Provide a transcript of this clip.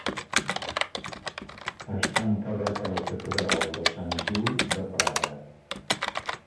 Està enterrat a la catedral de Sant Guiu de Praga.